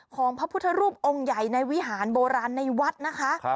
พระพุทธรูปองค์ใหญ่ในวิหารโบราณในวัดนะคะ